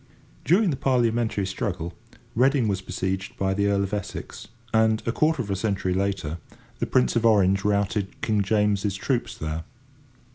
During the Parliamentary struggle, Reading was besieged by the Earl of Essex, and, a quarter of a century later, the Prince of Orange routed King James's troops there.